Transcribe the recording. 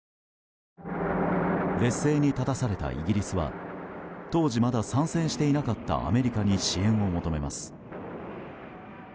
劣勢に立たされたイギリスは当時、まだ参戦していなかったアメリカに支援を求めます。